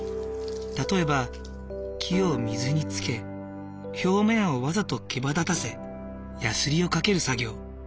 例えば木を水につけ表面をわざとけばだたせヤスリをかける作業。